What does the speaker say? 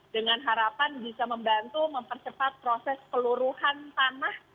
dengan harapan bisa membantu mempercepat proses peluruhan tanah